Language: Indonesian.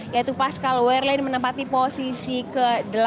yaitu pascal werlin menempati posisi ke delapan